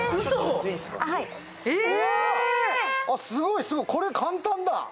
すごい、これ簡単だ。